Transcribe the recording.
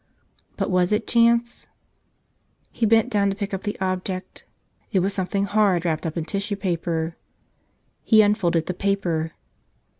But was it chance? He bent down to pick up the object. It was some¬ thing hard wrapped in tissue paper. He unfolded the paper.